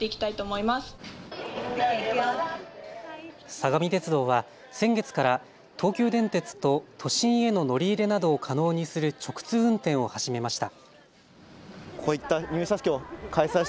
相模鉄道は先月から東急電鉄と都心への乗り入れなどを可能にする直通運転を始めました。